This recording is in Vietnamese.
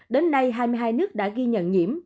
đến nay hai mươi hai nước đã ghi nhận nhiễm